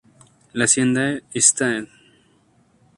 La Hacienda Sta.